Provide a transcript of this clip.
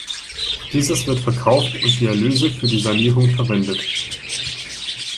Dieses wird verkauft und die Erlöse für die Sanierung verwendet.